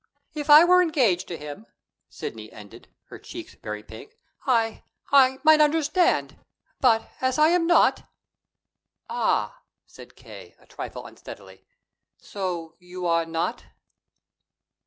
"If I were engaged to him," Sidney ended, her cheeks very pink, "I I might understand. But, as I am not " "Ah!" said K., a trifle unsteadily. "So you are not?"